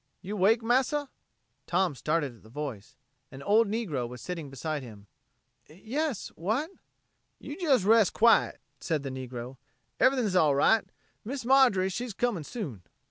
"You 'wake, massah?" Tom started at the voice. An old negro was sitting beside him. "Yes what...?" "You jes' rest quiet," said the negro. "Ev'thing's all right. Miss Marjorie, she comin' soon."